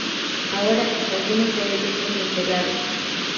Ahora, algunos de ellos desmantelados.